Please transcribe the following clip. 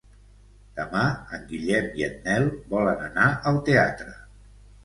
Demà en Guillem i en Nel volen anar al teatre.